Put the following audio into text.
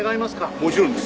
もちろんです。